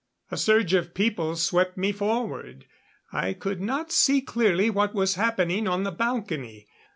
A surge of people swept me forward. I could not see clearly what was happening on the balcony.